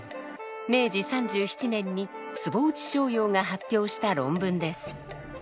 明治３７年に坪内逍遙が発表した論文です。